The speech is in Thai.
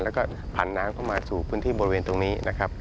แล้วก็ผันน้ำเข้ามาสู่พื้นที่บริเวณตรงนี้นะครับ